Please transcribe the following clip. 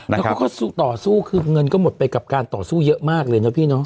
แล้วเขาก็ต่อสู้คือเงินก็หมดไปกับการต่อสู้เยอะมากเลยนะพี่เนาะ